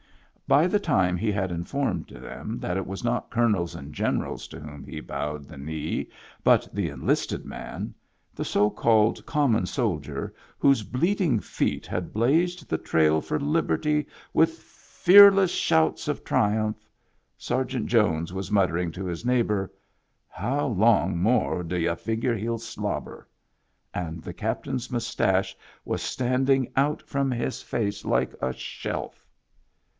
By the time he had informed them that it was not colonels and generals to whom he bowed the knee, but the enlisted man, the so called common soldier, whose bleeding feet had blazed the trail for liberty with fearless shouts of triumph. Ser geant Jones was muttering to his neighbor, " How long more d'yu figure hell slobber?" and the captain's mustache was standing out from his face like a shelf.